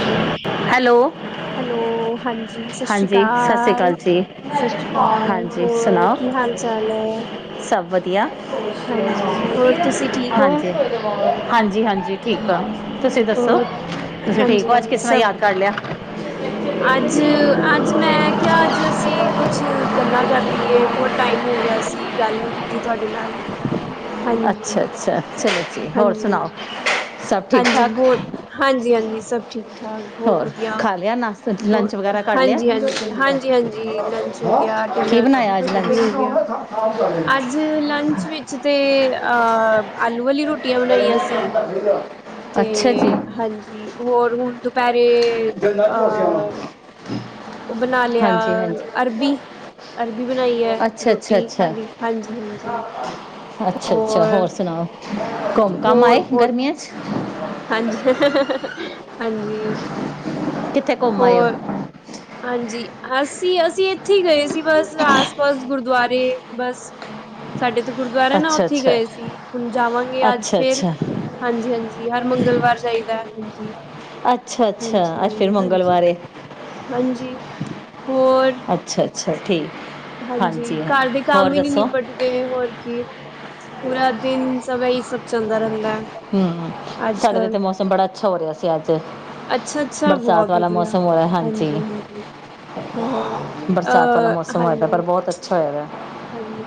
ਹੋ [inaudible] hello. Hello ਹਾਂਜੀ ਸਤਿ ਸ਼੍ਰੀ ਹਾਂਜੀ ਸਤਿ ਸ਼੍ਰੀ ਅਕਾਲ ਜੀ ਸਤਿ ਸ਼੍ਰੀ ਅਕਾਲ। ਹਾਂਜੀ ਹੋਰ ਸੁਣਾਓ ਕੀ ਹਾਲ ਚਾਲ ਐ? ਸਭ ਵਧੀਆ ਹੋਰ ਤੁਸੀਂ ਠੀਕ ਹੋ? ਹਾਂਜੀ ਹਾਂਜੀ ਹਾਂਜੀ। ਠੀਕ ਆ ਹਾਂਜੀ, ਤੁਸੀਂ ਦੱਸੋ ਹੋਰ ਤੁਸੀਂ ਠੀਕ ਹਾਂਜੀ ਹੋ ਅੱਜ ਹਾਂਜੀ ਕਿਸ ਤਰ੍ਹਾਂ ਸਭ ਯਾਦ ਕਰ ਲਿਆ। ਅੱਜ ਅੱਜ ਮੈਂ ਕਿਹਾ ਅੱਜ ਅਸੀਂ ਕੁਛ ਗੱਲਾਂ ਕਰ ਲਈਏ ਬਹੁਤ ਟਾਈਮ ਹੋ ਗਿਆ ਸੀ। ਗੱਲ ਨੀ ਕੀਤੀ ਤੁਹਾਡੇ ਨਾਲ ਹਾਂਜੀ, ਅੱਛਾ ਅੱਛਾ ਚੱਲੋ ਜੀ ਹੋਰ ਹਾਂਜੀ ਸੁਣਾਓ? ਹਾਂਜੀ। ਸਭ ਠੀਕ ਹਾਂਜੀ ਠਾਕ ਬਹੁਤ ਹਾਂਜੀ ਹਾਂਜੀ ਸਭ ਠੀਕ ਠਾਕ ਬਹੁਤ ਹੋਰ ਵਧੀਆ ਖਾ ਲਿਆ ਨਾਸ਼ਤਾ? ਹੋਰ ਲੰਚ ਵਗੈਰਾ ਕਰ ਲਿਆ ਹਾਂਜੀ ਹਾਂਜੀ ਹਾਂਜੀ ਹਾਂਜੀ ਲੰਚ ਹੋ ਗਿਆ ਕੀ ਡਿਨਰ ਬਣਾਇਆ ਅੱਜ ਮੈਂ। ਵੀ ਹੋ ਗਿਆ [unintelligible] ਅੱਜ ਲੰਚ ਵਿੱਚ ਤੇ ਅਹ ਆਲੂ ਵਾਲੀ ਰੋਟੀਆਂ ਬਣਾਈਆਂ ਸੀ। [unintelligible] ਤੇ ਜੀ ਹਾਂਜੀ ਹੋਰ ਹੁਣ ਦੁਪਹਿਰੇ ਅਹ ਉਹ ਬਣਾ ਲਿਆ ਹਾਂਜੀ ਹਾਂਜੀ ਅਰਬੀ ਅਰਬੀ ਬਣਾਈ ਹੈ, ਅੱਛਾ ਰੋਟੀ ਅੱਛਾ ਅੱਛਾ ਖਾਲੀ ਹਾਂਜੀ-ਹਾਂਜੀ। ਅੱਛਾ-ਅੱਛਾ, ਹੋਰ ਸੁਣਾਓ? ਹਾਂਜੀ ਘੁੰਮ ਹੋਰ ਆਏ ਬਹੁਤ ਗਰਮੀਆਂ 'ਚ? ਹਾਂਜੀ ਹਾਂਜੀ, ਕਿੱਥੇ ਘੁੰਮ ਆਏ ਹੋ ਹੋਰ? ਹਾਂਜੀ ਅਸੀਂ ਅਸੀਂ ਇੱਥੇ ਹੀ ਗਏ ਸੀ, ਬਸ ਆਸ-ਪਾਸ ਗੁਰਦੁਆਰੇ ਬਸ ਸਾਡੇ ਤੇ ਗੁਰਦੁਆਰਾ ਨਾ ਅੱਛਾ ਉੱਥੇ ਅੱਛਾ ਗਏ ਸੀ ਹੁਣ ਜਾਵਾਂਗੇ ਅੱਜ ਅੱਛਾ ਫਿਰ ਅੱਛਾ ਹਾਂਜੀ ਹਾਂਜੀ। ਹਰ ਮੰਗਲਵਾਰ ਜਾਈਦਾ ਹੈ ਹਾਂਜੀ। ਅੱਛਾ ਅੱਛਾ ਅੱ ਫਿਰ ਹਾਂਜੀ-ਹਾਂਜੀ, ਹਾਂਜੀ ਮੰਗਲਵਾਰ ਹਾਂਜੀ ਹੋਰ ਅੱਛਾ ਅੱ ਅੱਛਾ ਠੀਕ। ਹਾਂਜੀ ਹਾਂ। ਘਰ ਦੇ ਕੰਮ ਹੋਰ ਹੀ ਨਹੀਂ ਦੱਸੋ ਨਿਪਟ ਹੋਰ ਕੀ ਪੂਰਾ ਦਿਨ ਸਭ ਹੀ ਸਭ ਚੱਲਦਾ ਰਹਿੰਦਾ ਹੈ। ਹਮ ਸਾਡੇ ਅੱਜ-ਕੱਲ ਤੇ ਮੌਸਮ ਬੜਾ ਅੱਛਾ ਹੋ ਰਿਹਾ ਸੀ ਅੱਜ। ਅੱਛਾ-ਅੱਛਾ ਬਰਸਾਤ ਬਹੁਤ ਵਾਲਾ ਵਧੀਆ ਮੌਸਮ ਹੋਇਆ ਹਾਂਜੀ। ਹਾਂਜੀ-ਹਾਂਜੀ ਹੋਰ ਬਰਸਾਤੰ ਵਾਲਾ ਅਹ ਮੌਸਮ ਹੋਏਦਾ ਪਰ ਹਾਂਜੀ ਬਹੁਤ ਅੱਛਾ ਹੋਇਆ ਵ ਹਾਂਜੀ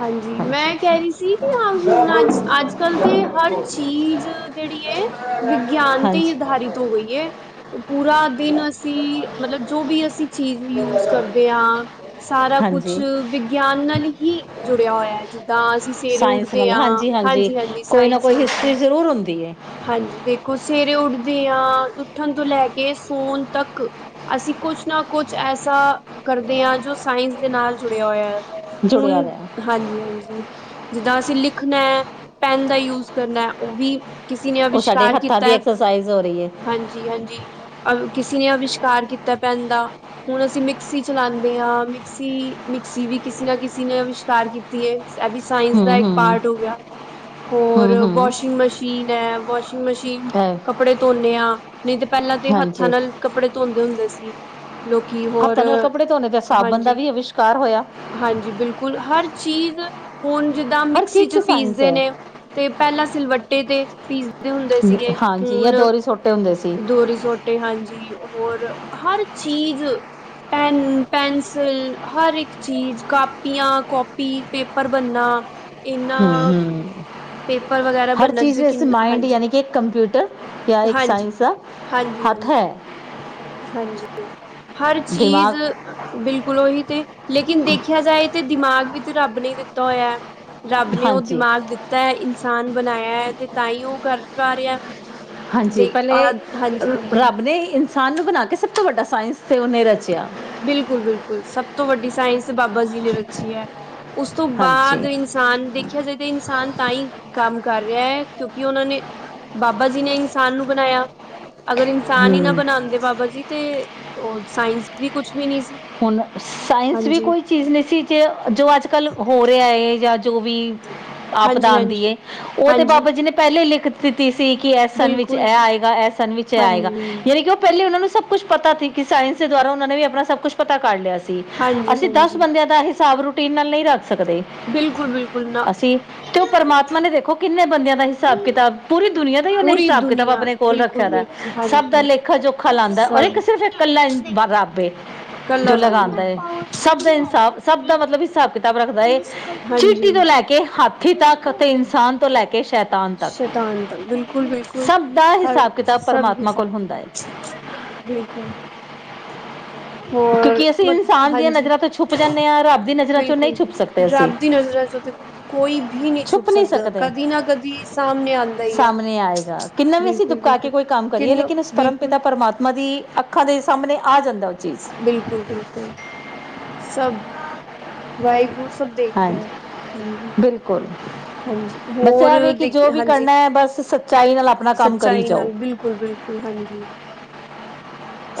ਹਾਂਜੀ ਮੈਂ ਕਹਿ ਰਹੀ ਸੀ ਵੀ ਹੁਣ ਅੱਜ ਅੱਜ ਕੱਲ੍ਹ ਤੇ ਹਰ ਚੀਜ਼ ਜਿਹੜੀ ਏ ਵਿਗਿਆਨ ਤੇ ਹੀ ਹਾਂਜੀ ਆਧਾਰਿਤ ਹੋ ਗਈ ਹੈ। ਪੂਰਾ ਦਿਨ ਅਸੀਂ ਮਤਲਬ ਜੋ ਵੀ ਅਸੀਂ ਚੀਜ਼ ਯੂਜ ਕਰਦੇ ਆਂ। ਸਾਰਾ ਕੁਝ ਹਾਂਜੀ ਵਿਗਿਆਨ ਨਾਲ ਹੀ ਜੁੜਿਆ ਹੋਇਆ ਜਿੱਦਾਂ ਅਸੀਂ। ਸਵੇਰੇ ਸਾਇੰਸ ਉੱਠਦੇ ਨਾਲ ਆ ਹਾਂਜੀ ਹਾਂਜੀ ਕੋਈ ਨਾ ਸਾਇੰਸ ਕੋਈ ਲੱਗਦੇ। ਹਿਸਟਰੀ ਜ਼ਰੂਰ ਹੁੰਦੀ ਹੈ ਹਾਂਜੀ ਦੇਖੋ, ਸਵੇਰੇ ਉੱਠਦੇ ਹਾਂ ਉੱਠਣ ਤੋਂ ਲੈ ਕੇ ਸੋਣ ਤੱਕ। ਅਸੀਂ ਕੁਝ ਨਾ ਕੁਝ ਐਸਾ ਕਰਦੇ ਆਂ ਜੋ ਸਾਇੰਸ ਦੇ ਨਾਲ ਜੁੜਿਆ ਹੋਇਆ। ਜੁੜਿਆ ਹੁਣ ਦਾ ਹਾਂਜੀ, ਹਾਂਜੀ। ਜਿੱਦਾਂ ਅਸੀਂ ਲਿਖਣਾ ਹੈ ਪੈਨ ਦਾ ਯੂਜ ਕਰਨਾ ਹੈ। ਉਹ ਵੀ ਕਿਸੇ ਨੇ ਉਹ ਸਾਡੇ ਅਵਿਸ਼ਕਾਰ ਹੱਥਾਂ ਕੀਤਾ ਦੀ ਹੈ। ਐਕਸਰਸਾਈਜ਼ ਹੋ ਰਹੀ ਹੈ ਹਾਂਜੀ, ਹਾਂਜੀ। ਅ ਕਿਸੇ ਨੇ ਅਵਿਸ਼ਕਾਰ ਕੀਤਾ ਪੈਂਨ ਦਾ। ਹੁਣ ਅਸੀਂ ਮਿਕਸੀ ਚਲਾਉਂਦੇ ਆ ਮਿਕਸੀ ਮਿਕਸੀ ਵੀ ਕਿਸੇ ਨਾ ਕਿਸੇ ਨੇ ਅਵਿਸ਼ਕਾਰ ਕੀਤੀ ਏ। ਇਹ ਵੀ ਸਾਇੰਸ ਦਾ ਹੂੰ ਇੱਕ ਹੂੰ ਪਾਰਟ ਹੋ ਗਿਆ। ਹੋਰ ਹੂੰ ਹੂੰ ਵਾਸ਼ਿੰਗ ਮਸ਼ੀਨ ਹੈ ਵਾਸ਼ਿੰਗ ਮਸ਼ੀਨ। ਅ ਕੱਪੜੇ ਧੋਦੇ ਹਾਂ ਨਹੀਂ ਤਾਂ ਪਹਿਲਾਂ ਤੇ ਹੱਥਾਂ ਹਾਂਜੀ ਨਾਲ ਕੱਪੜੇ ਧੋਂਦੇ ਹੁੰਦੇ ਸੀ। ਲੋਕੀ। ਹੋਰ ਹੱਥਾਂ ਨਾਲ ਕੱਪੜੇ ਧੋਣੇ ਤੇ ਸਾਬਣ ਦਾ ਹਾਂਜੀ ਵੀ ਅਵਿਸ਼ਕਾਰ ਹੋਇਆ। ਹਾਂਜੀ ਬਿਲਕੁਲ, ਹਰ ਚੀਜ਼ ਹੋਣ ਜਿੱਦਾਂ ਹਰ ਮਿਕਸੀ ਚੀਜ਼ ਚ ਸਾਇੰਸ ਪੀਸਦੇ ਹੈ ਨੇ। ਤੇ ਪਹਿਲਾਂ ਸਿਲਵੱਟੇ ਤੇ ਪੀਸਦੇ ਹੁੰਦੇ ਸੀਗੇ ਹਾਂਜੀ ਜਾਂ ਹੁਣ ਦੋਹਰੀ ਸੋਟੇ ਹੁੰਦੇ ਸੀ ਡੋਰੀ ਸੋਟੇ। ਤੇ ਹਾਂਜੀ ਹੋਰ ਹਰ ਚੀਜ਼। ਪੈਨ ਪੈਨਸਿਲ ਹਰ ਇੱਕ ਚੀਜ਼। ਕਾਪੀਆਂ- ਕੋਪੀ ਪੇਪਰ ਬਣਨਾ। ਹੂੰ, ਇਹਨਾਂ ਹੂੰ। ਪੇਪਰ ਵਗੈਰਾ ਹਰ ਬਣਨ ਚ ਚੀਜ਼ ਕਿੰਨ ਸਮਾਈੰਡ ਹਾਂਜੀ ਯਾਨੀ ਕਿ ਇੱਕ ਕੰਪਿਊਟਰ ਜਾਂ ਇੱਕ ਹਾਂਜੀ, ਸਾਇੰਸ ਦਾ। ਹਾਂਜੀ, ਹੱਥ ਹਾਂਜੀ, ਹੈ ਹਾਂਜੀ ਹਰ ਚੀਜ਼ ਦਿਮਾਗ ਬਿਲਕੁਲ ਉਹੀ ਤੇ ਲੇਕਿਨ ਦੇਖਿਆ ਜਾਏ ਤੇ ਦਿਮਾਗ ਵਿੱਚ ਰੱਬ ਨੇ ਦਿੱਤਾ ਹੋਇਆ। ਰੱਬ ਨੇ ਉਹ ਹਾਂਜੀ ਦਿਮਾਗ ਦਿੱਤਾ ਹੈ ਇਨਸਾਨ ਬਣਾਇਆ ਹੈ ਤੇ ਤਾਂ ਹੀ ਉਹ ਕਰ ਪਾ ਰਿਹਾ। ਹਾਂਜੀ ਦੇ ਅ ਪਹਿਲੇ ਹਾਂਜੀ, ਹਾਂਜੀ। ਰੱਬ ਨੇ ਇਨਸਾਨ ਨੂੰ ਬਣਾ ਕੇ ਸਭ ਤੋਂ ਵੱਡਾ ਸਾਇੰਸ ਤੇ ਉਹਨੇ ਰਚਿਆ। ਬਿਲਕੁਲ ਬਿਲਕੁਲ ਸਭ ਤੋਂ ਵੱਡੀ ਸਾਇੰਸ ਬਾਬਾ ਜੀ ਨੇ ਰਚੀ ਹੈ। ਉਸ ਤੋਂ ਹਾਂਜੀ ਬਾਅਦ ਹਾਂ ਦੇਖਿਆ ਜਾਏ ਤੇ ਇਨਸਾਨ ਤਾਂ ਹੀ ਕੰਮ ਕਰ ਰਿਹਾ ਕਿਉਂਕਿ ਉਹਨਾਂ ਨੇ। ਬਾਬਾ ਜੀ ਨੇ ਇਨਸਾਨ ਨੂੰ ਬਣਾਇਆ। ਅਗਰ ਇਨਸਾਨ ਹੀ ਨਾ ਹਮ ਬਣਾਉਂਦੇ ਬਾਬਾ ਜੀ ਤੇ ਉਹ ਸਾਇੰਸ ਵੀ ਕੁਛ ਵੀ ਨਹੀਂ ਸੀ। ਹੁਣ ਸਾਇੰਸ ਵੀ ਹਾਂਜੀ, ਕੋਈ ਚੀਜ਼ ਨਹੀਂ ਸੀ ਜੋ ਅੱਜ ਕੱਲ ਹੋ ਰਿਹਾ ਏ ਜਾਂ ਜੋ ਵੀ। ਆਪਦਾ ਹਾਂਜੀ, ਆਉਂਦੀ ਹਾਂਜੀ, ਏ ਉਹ ਤੇ ਹਾਂਜੀ ਬਾਬਾ ਜੀ ਨੇ ਪਹਿਲਾਂ ਹੀ ਲਿਖ। ਦਿੱਤੀ ਸੀ ਕਿ ਐਸ ਸਨ ਵਿੱਚ ਬਿਲਕੁਲ ਇਹ ਆਏਗਾ ਇਹ ਸਨ ਵਿੱਚ ਇਹ ਆਏਗਾ ਹਾਂਜੀ, ਯਾਨੀ ਕਿ ਉਹ ਪਹਿਲੇ ਉਹਨਾਂ ਨੂੰ ਸਬ। ਕੁੱਛ ਪਤਾ ਸੀ ਕਿ ਸਾਇੰਸ ਦੇ ਦੁਆਰਾ ਉਹਨਾਂ ਨੇ ਵੀ ਆਪਣਾ ਸਭ ਕੁਛ ਪਤਾ ਕਰ ਲਿਆ ਸੀ। ਹਾਂਜੀ, ਅਸੀਂ ਦਸ ਹਾਂਜੀ ਬੰਦਿਆਂ ਦਾ ਹਿਸਾਬ ਰੂਟੀਨ ਨਾਲ ਨਹੀਂ ਰੱਖ ਸਕਦੇ। ਬਿਲਕੁਲ ਬਿਲਕੁਲ ਨਾ। ਅਸੀਂ ਤੇ ਉਹ ਪਰਮਾਤਮਾ ਨੇ ਦੇਖੋ। ਕਿੰਨੇ ਬੰਦਿਆਂ ਦਾ ਹੀ ਹਿਸਾਬ ਕਿਤਾਬ ਪੂਰੀ ਦੁਨੀਆਂ ਦਾ ਹੀ ਉਹਨੇ ਪੂਰੀ ਹਿਸਾਬ ਕਿਤਾਬ ਦੁਨੀਆਂ ਆਪਣੇ ਕੋਲ ਰੱਖਿਆ ਦਾ। ਬਿਲਕੁਲ-ਬਿਲਕੁਲ ਸਭ ਦਾ ਹਾਂਜੀ ਲੇਖਾ ਜੋਖਾ ਲਾਉਦਾ ਔਰ ਸਭ ਇੱਕ ਸਿਰਫ ਇਕੱਲਾ ਰਬ ਏ। ਜੋ ਲਗਾਉਂਦਾ ਏ ਸਭ ਦਾ ਕਲਰ ਇਨਸਾਫ ਸਭ ਦਾ ਮਤਲਬ। ਹਿਸਾਬ ਕਿਤਾਬ ਰੱਖਦਾ ਹੈ ਹਾਂਜੀ ਚੀਟੀ ਤੋਂ ਲੈ ਕੇ ਹਾਥੀ ਤੱਕ ਅਤੇ ਇਨਸਾਨ ਤੋਂ ਲੈ ਕੇ ਸ਼ੈਅ ਸ਼ੈਤਾਨ ਤਾਂ ਬਿਲਕੁਲ ਬਿਲਕੁਲ ਸਭ ਦਾ ਹਰ ਹਿਸਾਬ ਕਿਤਾਬ ਸਭ ਹੀ। ਪਰਮਾਤਮਾ ਕੋਲ ਹੁੰਦਾ ਹੈ ਬਿਲਕੁਲ। ਹੋਰ ਕਿਉਂਕਿ ਅਸੀਂ ਮ ਇਨਸਾਨ ਦੀਆਂ ਹਾਂਜੀ ਨਜ਼ਰਾਂ ਤੋਂ ਛੁਪ ਜਾਂਦੇ ਆ ਰੱਬ ਦੀ ਨਜ਼ਰਾਂ ਚੋਂ ਨਹੀਂ ਬਿਲਕੁਲ, ਛੁਪ ਬਿਲਕੁਲ ਸਕਦੇ ਅਸੀਂ ਰੱਬ ਦੀ ਨਜ਼ਰਾਂ ਚੋਂ ਤੇ। ਕੋਈ ਵੀ ਨਹੀਂ ਛੁਪ ਸਕਦਾ ਕਦੀ ਨਾ ਕਦੀ ਸਬ। ਸਾਹਮਣੇ ਆਏਗਾ ਕਿੰਨਾ ਵੀ ਅਸੀਂ ਬਿਲਕੁਲ ਤਪਕਾ ਕੇ ਬਿਲਕੁਲ ਕੋਈ ਕੰਮ ਕਰੀਏ ਕਿੰਨ ਲੇਕਿਨ ਇਸ ਪਰਮ ਬਿਲਕੁਲ ਪਿਤਾ ਪਰ। ਪਰਮਾਤਮਾ ਦੀ ਅੱਖਾਂ ਦੇ ਸਾਹਮਣੇ ਆ ਜਾਂਦਾ ਵੈ। ਬਿਲਕੁਲ ਬਿਲਕੁਲ ਸਭ ਵਾਹਿਗੁਰੂ ਸਭ ਦੇਖ ਹਾਂਜੀ ਰਿਹਾ। ਹਾਂਜੀ, ਬਿਲਕੁਲ ਹਾਂਜੀ, ਬਸ ਹੋਰ, ਇਹ ਵੇ ਕਿ ਜੋ ਵੀ ਦੇ--ਹਾਂਜੀ। ਕਰਨਾ ਹੈ ਬਸ ਸੱਚਾਈ ਨਾਲ ਆਪਣਾ ਕੰਮ ਕਰੀ ਸੱਚਾਈ ਜਾਓ ਨਾਲ, ਬਿਲਕੁਲ-ਬਿਲਕੁਲ, ਹਾਂਜੀ।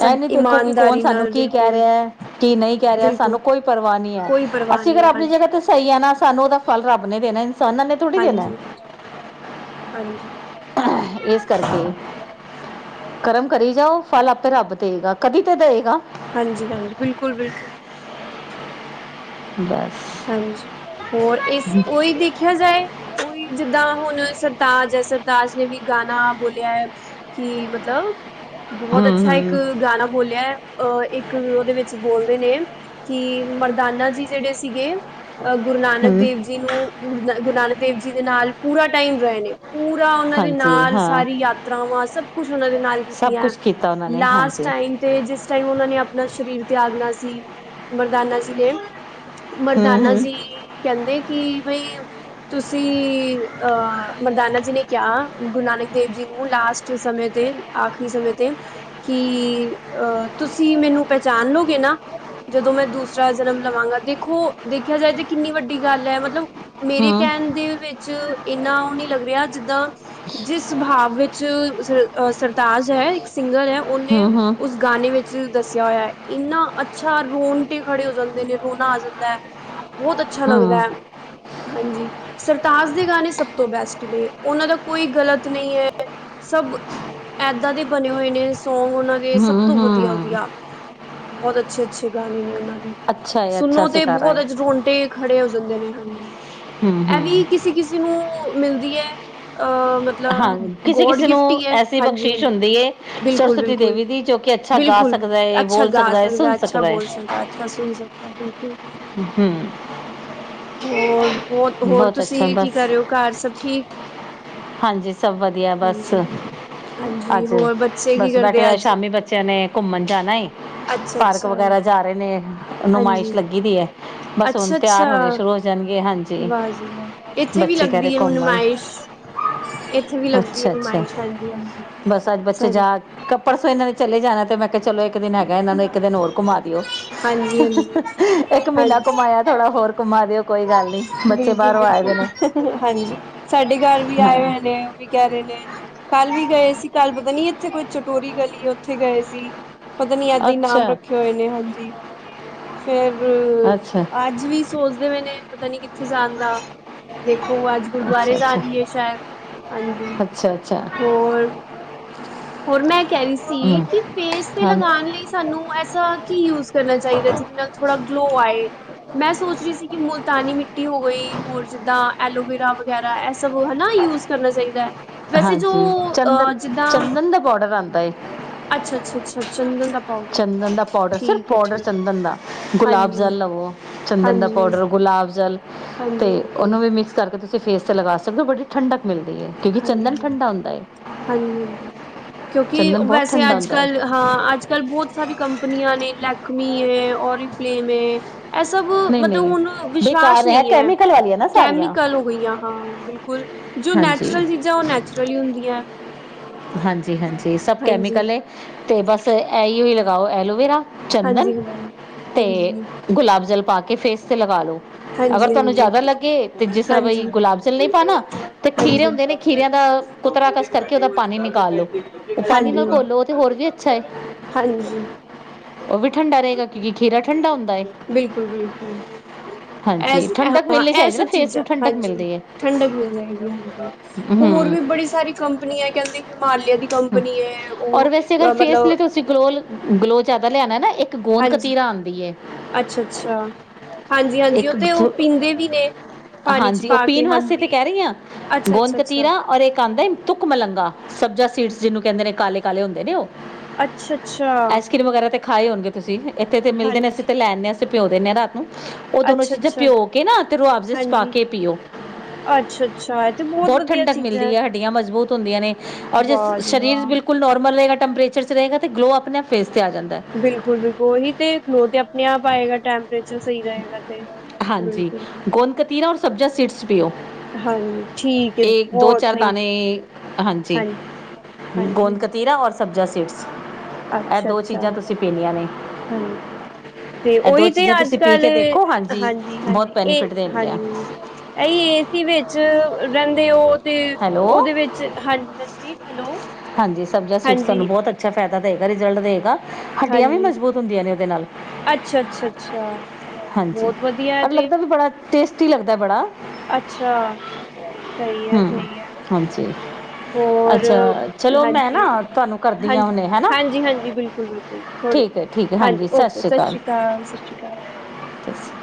ਸਭ ਨਹੀਂ ਦੇਖੋ ਕਿ ਈਮਾਨਦਾਰ ਕੌਣ ਸਾਨੂੰ ਕੀ ਕਹਿ ਰਿਹਾ, ਕੀ ਨਹੀਂ ਕਹਿ ਰਿਹਾ, ਬਿਲਕੁਲ ਸਾਨੂੰ ਕੋਈ ਪਰਵਾਹ ਨਹੀਂ ਹੈ। ਕੋਈ ਪਰਵਾਹ ਅਸੀਂ ਨਹੀਂ ਅਗਰ ਹੈ ਆਪਣੀ ਜਗ੍ਹਾ ਹਾਂਜੀ ਤੇ ਸਹੀ ਹੈ ਨਾ ਸਾਨੂੰ ਉਹਦਾ ਫਲ ਰੱਬ ਨੇ ਦੇਣਾ, ਇਨਸਾਨਾਂ ਨੇ ਥੋੜੀ ਦੇਣਾ ਹਾਂਜੀ। ਹਾਂਜੀ ਇਸ ਕਰਕੇ। ਕਰਮ ਕਰੀ ਜਾਓ, ਫਲ ਆਪੇ ਰੱਬ ਦਇਗਾ, ਕਦੀ ਤੇ ਦਇਗਾ। ਹਾਂਜੀ-ਹਾਂਜੀ, ਬਿਲਕੁਲ-ਬਿਲਕੁਲ। ਬਸ ਹਾਂਜੀ। ਹੋਰ, ਇਸ, ਉਹੀ ਦੇਖਿਆ ਜਾਏ ਉਹੀ, ਜਿੱਦਾਂ ਹੁਣ ਸਰਤਾਜ ਐ, ਸਰਤਾਜ ਨੇ ਵੀ ਗਾਣਾ ਬੋਲਿਆ ਏ। ਕਿ ਮਤਲਬ, ਹੂੰ ਬਹੁਤ ਅੱਛਾ ਇੱਕ ਹੂੰ ਗਾਣਾ ਬੋਲਿਆ ਏ ਅ, ਇੱਕ ਉਹਦੇ ਵਿੱਚ ਬੋਲਦੇ ਨੇ, ਕਿ ਮਰਦਾਨਾ ਜੀ ਜਿਹੜੇ ਸੀਗੇ ਅ ਗੁਰੂ ਨਾਨਕ ਹੂੰ ਦੇਵ ਜੀ ਨੂੰ, ਗ ਗੁਰੂ ਨਾਨਕ ਦੇਵ ਜੀ ਦੇ ਨਾਲ ਪੂਰਾ ਟਾਈਮ ਰਹੇ ਨੇ। ਪੂਰਾ ਓਹਨਾਂ ਦੇ ਹਾਂਜੀ ਨਾਲ ਹਾਂ ਸਾਰੀ ਯਾਤਰਾਵਾਂ ਸਭ ਕੁਛ ਉਹਨਾਂ ਦੇ ਨਾਲ ਸਭ ਕੀਤੀਆਂ। ਕੁਛ ਕੀਤਾ ਉਹਨਾਂ ਨੇ, ਹਾਂਜੀ। ਟਾਇਮ ਤੇ, ਜਿਸ ਟਾਈਮ ਉਹਨਾਂ ਨੇ ਆਪਣਾ ਸਰੀਰ ਤਿਆਗਨਾ ਸੀ, ਮਰਦਾਨਾ ਜੀ ਨੇ ਹੂੰ ਮਰਦਾਨਾ ਹੂੰ ਜੀ, ਕਹਿੰਦੇ ਕਿ ਬਈ ਤੁਸੀ, ਅਹ ਮਰਦਾਨਾ ਜੀ ਨੇ ਕਿਹਾ ਗੁਰੂ ਨਾਨਕ ਦੇਵ ਜੀ ਨੂੰ ਲਾਸਟ ਸਮੇਂ ਤੇ ਆਖਰੀ ਸਮੇਂ ਤੇ, ਕਿ--ਅ, ਤੁਸੀਂ ਮੈਨੂੰ ਪਹਿਚਾਣ ਲੋਗੇ ਨਾ। ਜਦੋਂ ਮੈਂ ਦੂਸਰਾ ਜਨਮ ਲਵਾਂਗਾ ਤੇ ਦੇਖੋ, ਦੇਖਿਆ ਜਾਏ ਤਾਂ ਕਿੰਨੀ ਵੱਡੀ ਗੱਲ ਐ ਮਤਲਬ, ਮੇਰੇ ਹੂੰ ਕਹਿਣ ਦੇ ਵਿੱਚ ਤੇ, ਇੰਨਾ ਉਹ ਨਹੀਂ ਲੱਗ ਰਿਹਾ, ਜਿੱਦਾਂ ਜਿਸ ਭਾਵ ਵਿੱਚ ਅਹ ਸਰਤਾਜ ਹੈ, ਇੱਕ ਸਿੰਗਰ ਐ, ਉਹਨੇ ਹੂੰ ਹੂੰ ਉਸ ਗਾਨੇ ਵਿੱਚ ਦੱਸਿਆ ਹੋਇਆ ਏ, ਇੰਨਾ ਅੱਛਾ ਰੋਣਟੇ ਖੜੇ ਹੋ ਜਾਂਦੇ ਨੇ ਰੋਨਾ ਆ ਜਾਂ ਦਾ, ਬਹੁਤ ਅੱਛਾ ਹੂੰ ਲੱਗਦੈ, ਹਾਂਜੀ। ਸਰਤਾਜ ਦੇ ਗਾਣੇ ਸਭ ਤੋਂ ਬੈਸਟ ਨੇ, ਉਹਨਾਂ ਦਾ ਕੋਈ ਗਲਤ ਨਹੀਂ ਐ, ਸਭ ਐਦਾ ਦੇ ਬਣੇ ਹੋਏ ਨੇ ਸੌਂਗ ਉਹਨਾਂ ਦੇ, ਸਭ ਹੂੰ ਤੋਂ ਹੂੰ ਵਧੀਆ-ਵਧੀਆ। ਬਹੁਤ ਅੱਛੇ-ਅੱਛੇ ਗਾਣੇ ਨੇ, ਉਹਨਾਂ ਦੇ ਅੱਛਾ ਏ, ਅੱਛਾ ਸੁਣੋ ਤੇ ਸਿਤਾਰਾ ਬਹੁਤ ਹੈ ਓ'ਚ ਰੋਂਗਟੇ ਜਾਂਦੇ ਨੇ, ਹਾਂਜੀ ਹੂੰ ਐ ਹੂੰ ਵੀ ਕਿਸ ਕਿਸੀ- ਕਿਸੀ ਨੂੰ ਮਿਲਦੀ ਐ, ਅਹ ਮ ਹਾਂ ਮਤਲਬ, ਕਿਸੇ ਗੋਡ ਕਿਸੇ ਗਿਫਟ ਈ ਨੂੰ ਐ, ਐਸੀ ਬਖਸ਼ਿਸ਼ ਹਾਂਜੀ-ਹਾਂਜੀ। ਹੁੰਦੀ ਹੈ ਸਰਸਵਤੀ ਬਿਲਕੁਲ-ਬਿਲਕੁਲ। ਦੇਵੀ ਦੀ ਜੋ ਕਿ ਅੱਛਾ ਗਾ ਬਿਲਕੁਲ। ਸਕਦਾ ਹੈ ਅੱਛਾ ਬੋਲ ਗਾ ਹੈ ਸਕਦਾ, ਸੁਣ ਅੱਛਾ ਹੈ ਬੋਲ ਸਕਦਾ, ਅੱਛਾ ਸੁਣ ਸਕਦਾ, ਬਿਲਕੁਲ। ਹੂੰ ਹੋਰ, ਹੋਰ, ਹੋਰ ਬਹੁਤ ਅੱਛਾ ਤੁਸੀਂ ਕੀ ਬਸ ਕਰ ਰਹੇ ਹੋ? ਘਰ ਸਭ ਠੀਕ? ਹਾਂਜੀ। ਸਭ ਵਧੀਆ ਬਸ ਹਾਂਜੀ ਹਾਂ ਹਾਂਜੀ ਅੱਜ, ਹੋਰ ਬੱਚੇ ਕੀ ਬਸ ਬੈਠੇ ਕਰਦੇ ਆ ਦਾ, ਅੱਜ ਸ਼ਾਮੀ ਬੱਚਿਆਂ ਨੇ ਘੁੰਮਣ ਜਾਣਾ ਈ। ਅੱਛਾ ਪਾਰਕ ਅੱਛਾ ਵਗੈਰਾ ਜਾ ਰਹੇ ਨੇ, ਨੁਮਾਇਸ਼ ਹਾਂਜੀ ਲੱਗੀਦੀ ਹੈ। ਬਸ, ਹੁਣ ਅੱਛਾ ਤਿਆਰ ਅੱਛਾ ਹੋਣੇ ਸ਼ੁਰੂ ਹੋ ਜਾਣਗੇ, ਹਾਂਜੀ। ਵਾਹ ਜੀ ਵਾਹ ਇੱਥੇ ਵੀ ਬੱਚੇ ਕਹਿ ਰਹੇ ਲੱਗਦੀ ਹੈ ਘੁੰਮ ਆਏ। ਨੁਮਾਇਸ਼ ਇੱਥੇ ਵੀ ਲੱਗਦੀ ਹੈ ਅੱਛਾ-ਅੱਛਾ, ਨੁਮਾਇਸ਼ ਹਾਂਜੀ ਹਾਂਜੀ ਬਸ ਅੱਜ ਬੱਚੇ ਸਾਡੇ ਜਾ ਕ, ਪਰਸੋ ਇਹਨਾਂ ਦੇ ਚਲੇ ਜਾਣਾ ਤੇ, ਮੈਂ ਕਿਹਾ ਚਲੋ ਇੱਕ-ਦਿਨ ਹੈਗਾ ਇਹਨਾਂ ਨੂੰ ਇੱਕ ਦਿਨ ਹੋਰ ਘੁਮਾ ਦਿਓ। ਹਾਂਜੀ ਹਾਂਜੀ ਇੱਕ ਮਹੀਨਾ ਹਾਂਜੀ ਘਮਾਇਆ, ਥੋੜਾ ਹੋਰ ਘੁਮਾ ਦਿਓ, ਕੋਈ ਗੱਲ ਨਹੀਂ। ਬੱਚੇ ਬਿਲਕੁਲ ਬਾਹਰੋਂ ਆਏਦੇ ਨੇ। ਬਿਲਕੁਲ ਹਾਂਜੀ, ਸਾਡੇ ਘਰ ਵੀ ਆਏ ਹਾਂ ਹੋਏ ਨੇ, ਉਹ ਵੀ ਕਹਿ ਰਹੇ ਨੇ। ਕੱਲ ਈ ਗਏ ਸੀ, ਕੱਲ ਪਤਾ ਨਹੀਂ ਇੱਥੇ ਕੋਈ ਚਟੋਰੀ ਗਲੀ ਏ, ਉੱਥੇ ਗਏ ਸੀ। ਪਤਾਨੀ ਇਹਦਾਂ ਈ ਨਾਮ ਅੱਛਾ ਰੱਖੇ ਹੋਏ ਨੇ, ਹਾਂਜੀ। ਫੇਰ, ਅੱਛਾ ਅੱਜ ਵੀ ਸੋਚਦੇ ਪਏ ਨੇ, ਪਤਾ ਨੀ ਕਿੱਥੇ ਜਾਣਦਾ, ਦੇਖੋ ਅੱਜ ਗੁਰਦੁਆਰੇ ਅੱਛਾ ਜਾ ਅੱਛਾ ਰਹੀ ਏ, ਸ਼ਾਇਦ। ਹਾਂਜੀ, ਅੱਛਾ ਅੱਛਾ ਹੋਰ [unintelligible] ਹੋਰ ਮੈਂ ਕਹਿ ਰਹੀ ਹਮ ਸੀ ਫੇਸ ਤੇ ਹਾਂ ਲਗਾਣ ਲਈ ਸਾਨੂੰ ਐਸਾ ਕੀ ਯੂਜ ਕਰਨਾ ਚਾਹੀਦਾ ਜਿਹਦੇ ਨਾਲ ਥੋੜ੍ਹਾ ਗਲੋ ਆਏ। ਮੈਂ ਸੋਚ ਰਹੀ ਸੀ ਕਿ ਮੁਲਤਾਨੀ ਮਿੱਟੀ ਹੋ ਗਈ ਹੋਰ ਜਿੱਦਾਂ ਐਲੋਵੇਰਾ ਵਗੈਰਾ ਐ। ਹਨਾ ਸਬ ਯੂਜ ਕਰਨਾ ਚਾਹੀਦਾ ਐ ਵੈਸੇ ਜੋ ਅ ਜਿੱਦਾਂ। ਬੋਡਰ ਆਦਾ ਏ। ਅੱਛਾ- ਅੱਛਾ ਚੰਦਨ ਦਾ। ਪਾਊਡਰ ਚੰਦਨ ਦਾ ਪਾਊਡਰ ਸਿਰਫ਼ ਠੀਕ ਹੈ ਚੰਦਨ ਦਾ ਠੀਕ ਹੈ ਪਾਉਡਰ ਦੇ ਨਾਲ ਗੁਲਾਬ ਹਾਂਜੀ ਜਲ ਲਵੋ। ਚੰਦਨ ਦਾ ਹਾਂਜੀ ਹਾਂਜੀ ਪਾਊਡਰ ਗੁਲਾਬ ਜਲ ਤੇ ਹਾਂਜੀ ਹਾਂਜੀ ਉਹਨੂੰ ਵੀ ਮਿਕਸ ਕਰਕੇ ਤੁਸੀਂ ਫੇਸ ਤੇ ਲਗਾ ਸਕਦੇ ਹੋ ਬੜੀ। ਠੰਡਕ ਮਿਲਦੀ ਹੈ ਕਿਉਂਕਿ ਚੰਦਨ ਹਾਂਜੀ ਠੰਡਾ ਹੁੰਦਾ ਹੈ। ਹਾਂਜੀ ਹਾਂਜੀ ਚੰਦਨ ਬੋਤ ਠੰਡਾ ਹੁੰਦਾ ਐ। ਹਾਂ, ਅੱਜ ਕਲ੍ਹ ਬਹੁਤ ਸਾਰੀ ਕੰਪਨੀਆਂ ਨੇ ਲੈਕਮੀ ਹੈ ਓਰੀਫਲੇਮ ਹੈ। ਐ ਸਭ ਨਹੀਂ ਮਤਲਬ ਨਹੀਂ ਹੁਣ ਵਿਸ਼ਵਾਸ ਬੇਕਾਰ ਨਈ ਹੈ ਕੈਮੀਕਲ ਵਾਲੀਆਂ ਨਾ ਸਾਰੀਆਂ ਕੈਮੀਕਲ। ਈਆਂ ਹਾਂ ਬਿਲਕੁਲ ਜੋ ਹਾਂਜੀ ਨੈਚੁਰਲ ਚੀਜ਼ਾਂ ਉਹ ਨੈਚੁਰਲ ਹੀ ਹੁੰਦੀਆਂ। ਹਾਂਜੀ ਹਾਂਜੀ, ਸਭ ਹਾਂਜੀ ਕੈਮੀਕਲ ਹੈ ਅਤੇ ਬਸ ਇਹੀਓ ਹੀ ਲਗਾਓ ਐਲੋਵੇਰਾ। ਚੰਦਨ ਹਾਂਜੀ ਹਾਂਜੀ। ਤੇ ਹਾਂਜੀ ਗੁਲਾਬ ਜਲ ਪਾ ਕੇ ਫੇਸ ਤੇ ਲਗਾ ਲੋ। ਅਗਰ ਹਾਂਜੀ ਤੁਹਾਨੂੰ ਜ਼ਆਦਾ ਲੱਗੇ ਜਿਸ ਤਰ੍ਹਾਂ ਬਈ ਹਾਂਜੀ ਗੁਲਾਬ ਜਲ ਨਈ ਪਾਣਾ ਤੇ ਖੀਰੇ ਹੁੰਦੇ ਨੇ ਖੀਰੇਆਂ ਦਾ। ਕੁਤਰਾ ਲੋਗੋ ਦੇ ਕਸ ਕਰਕੇ ਕੱਠੇ ਉਹਦਾ ਹੋਏ। ਪਾਣੀ ਨਿਕਾਲ ਲੋ ਉਹ ਤੇ ਪਾਣੀ ਨਾਲ ਘੋਲੋ ਤੇ ਹੋਰ ਵੀ ਅੱਛਾ, ਹੈ। ਹਾਂਜੀ ਓ ਵੀ ਠੰਡਾ ਰਹੇਗਾ ਕਿਉਕਿ ਖੀਰਾ ਠੰਡਾ ਹੁੰਦਾ ਏ। ਬਿਲਕੁਲ ਬਿਲਕੁਲ ਇਹ ਸਭ ਚੀਜ਼ਾਂ ਨੂੰ ਠੰਡਕ ਨਾਲ ਮਿਲਦੀ ਹੈ ਠੰਡਕ ਮਿਲ ਜਾਏਗੀ ਹਾਂਜੀ। ਹੋਰ ਹੂੰ ਵੀ ਬੜੀ ਸਾਰੀ ਕੰਪਨੀੀਆਂ, ਹੈ ਕਹਿੰਦੇ ਹਿਮਾਲਿਆ, ਦੀ ਕੰਪਨੀ ਹੈ ਉਹ ਮਤਲਬ। ਤੁਸੀ ਗਲੋ ਜਿਆਦਾ ਲਿਆਣਾ ਨਾ ਇੱਕ ਗੋਂਦ ਹਾਂਜੀ ਕਤੀਰਾ ਆਂਦੀ ਏ। ਅੱਛਾ, ਅੱਛ ਅੱਛਾ, ਹਾਂਜੀ ਹਾਂਜੀ ਓ ਇੱਕ ਤੇ ਓ ਥ- ਪੀਂਦੇ ਵੀ ਨੇ। ਪਾਣੀ ਚ ਹਾਂਜੀ ਓ ਪਾ ਕੇ ਪੀਣ ਵਾਸਤੇ ਤੇ ਹਾਂਜੀ ਕਹਿ ਰਹੀ ਆਂ ਅੱਛਾ ਗੋਂਦ ਅੱਛਾ ਅੱਛਾ ਕਤੀਰਾ ਔਰ ਇੱਕ ਆਂਦਾ ਏ। ਤੁਕ ਮਲੰਗਾ ਸਬਜ਼ਾ ਸੀਡਸ ਜਿਹਨੂੰ ਕਹਿੰਦੇ ਨੇ ਕਾਲੇ ਕਾਲੇ ਹੁੰਦੇ ਨੇ ਉਹ। ਅੱਛਾ ਅੱਛਾ ਆਈਸਕ੍ਰੀਮ ਵਗੈਰਾ ਤੇ ਖਾਏ ਹੋਣਗੇ ਤੁਸੀ ਏਥੇ ਤੇ ਮਿਲਦੇ ਨੇ। ਹਾਂਜੀ ਤੇ ਲੈ ਆਨੇ ਆਂ ਅਸੀਂ ਪਿਉ ਦਿੰਦੇ ਹਾਂ ਰਾਤ ਨੂੰ ਓਹ ਦੋਨੋ ਅੱਛਾ ਚੀਜ਼ਾਂ ਅੱਛਾ ਪਿਓ ਕੇ ਨਾ ਤੇ ਰੋਆਬਜ਼ੇ ਚ ਪਾ ਹਾਂਜੀ ਕੇ ਪੀਓ। ਅੱਛਾ ਅੱਛਾ, ਇਹ ਤੇ ਬਹੁਤ ਵਧੀਆ ਚੀਜ਼ਾਂ ਹੈ। ਹੜਿਆ ਮਜ਼ਬੂਤ ਹੁੰਦੀਆਂ ਨੇ ਔਰ ਵਾਹ ਜੀ ਸਰੀਰ ਵਾਹ ਬਿਲਕੁਲ। ਨੋਰਮਲ ਰਹੇਗਾ ਟੈਂਪਰੇਚਰ ਚ ਹਹੇਗਾ ਅਤੇ ਗਲੋਅ ਅਪਣੇ ਆਪ ਫੇਸ ਤੇ ਆ ਜਾਂਦਾ ਐ। ਬਿਲਕੁਲ, ਓਹੀ ਤੇ ਗਲ ਅਪਣੇ ਆਪ ਆਏਗਾ ਟੈਂਪਰੇਚਰ ਸਹੀ ਰਹੇਗਾ ਤੇ। ਹਾਂਜੀ ਬਿਲਕੁਲ ਗੋਂਦ ਕਤੀਰਾ ਔਰ ਸੁਬਜ਼ੀ ਸੀਡਸ ਪੀਓ। ਹਾਂਜੀ ਠੀਕ ਹੈ ਇਹ, ਦੋ ਬਹੁਤ ਚਾਰ ਥੈਂਕ ਦਾਣੇ ਹਾਂਜੀ। ਹਾਂਜੀ ਗੋਂਦ ਕਤੀਰਾ ਔਰ ਸੁਬਜ਼ੀ ਸੀਡਸ। ਇਹ ਅੱਛਾ ਦੋ ਅੱਛਾ, ਚੀਜ਼ਾਂ ਤੁਸੀਂ ਪੀਣੀਆਂ ਨੇ ਹਾਂਜੀ ਤੇ ਇਹ ਦੋ ਉਹੀ ਤੇ ਚੀਜ਼ਾਂ ਅੱਜ ਤੁਸੀਂ ਪੀ ਕੱਲ। ਕੇ ਦੇਖੋ ਹਾਂਜੀ ਬਹੁਤ ਹਾਂਜੀ, ਇਹ ਬੈਨੀਫਿਟ ਦੇਣਗੀਆਂ ਹਾਂਜੀ। ਐਈ ਏਸੀ ਵਿਚ ਰਹਿੰਦੇ ਓ ਤੇ ਹੈਲੋ ਓਦੇ ਵਿੱਚ ਹਾਂਜੀ ਹਾਂਜੀ ਹੈਲੋ। ਹਾਂਜੀ ਸੁਬਜ਼ੀ ਸੀਡਸ ਸਾਨੂੰ ਹਾਂਜੀ ਬੋਤ। ਬੋਤ ਅੱਛਾ ਫਾਇਦਾ ਦੇਗਾ, ਰਿਜ਼ਲਟ ਦੇਗਾ ਹੱਡੀਆਂ ਵੀ ਹਾਂਜੀ ਮਜ਼ਬੂਤ ਹੁੰਦੀਆਂ ਨੇ ਏਦੇ ਨਾਲ। ਅੱਛਾ, ਅੱਛਾ ਅੱਛਾ। ਹਾਂਜੀ ਬਹੁਤ ਵਧੀਆ ਔਰ ਤੇ ਲੱਗਦਾ ਵੀ ਬੜਾ ਟੇਸਟੀ ਲੱਗਦਾ ਬੜਾ। ਅੱਛਾ ਸਹੀ ਹੈ, ਹੂੰ ਸਹੀ ਹੈ। ਹਾਂਜੀ ਹੋਰ ਅੱਛਾ ਚਲੋ ਮੈਂ ਹਾਂਜੀ ਨਾ ਤੁਹਾਨੂੰ ਕਰਦੀ ਹਾਂ ਹਾਂਜੀ, ਹੁਣੇ ਹੈ ਨਾ ਹਾਂਜੀ ਹਾਂਜੀ, ਬਿਲਕੁਲ ਬਿਲਕੁਲ ਥੋੜੇ। ਠੀਕ ਹੈ ਠੀਕ ਹੈ ਹਾਂਜੀ ਓਕੇ ਸਤਿ ਸ਼੍ਰੀ ਅਕਾਲ ਸਤਿ ਸ਼੍ਰੀ ਅਕਾਲ। ਸਤਸੰਰੀਅਕਾਲ।